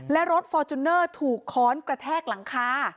และรถฟอร์จูเนอร์ถูกค้อนกระแทกหลังคา